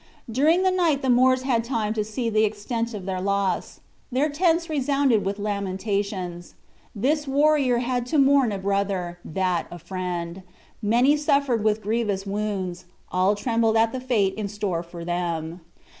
During the night the Moors had time to see the extent of their loss. Their tents resounded with lamentations. This warrior had to mourn a brother, that a friend; many suffered with grievous wounds, all trembled at the fate in store for them.